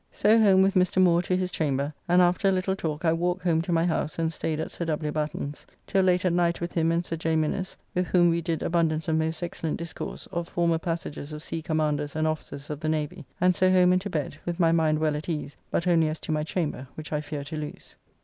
So home with Mr. Moore to his chamber, and after a little talk I walked home to my house and staid at Sir W. Batten's. Till late at night with him and Sir J. Minnes, with whom we did abundance of most excellent discourse of former passages of sea commanders and officers of the navy, and so home and to bed, with my mind well at ease but only as to my chamber, which I fear to lose.